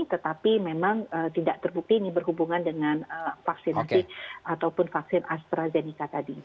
tetapi memang tidak terbukti ini berhubungan dengan vaksinasi ataupun vaksin astrazeneca tadi